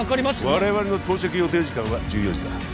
我々の到着予定時間は１４時だ